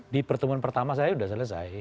di pertemuan pertama saya sudah selesai